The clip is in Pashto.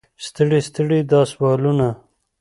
ستړي ستړي دا سوالونه.